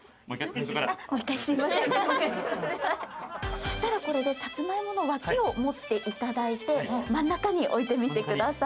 そしたらこれでさつまいもの脇を持って頂いて真ん中に置いてみてください。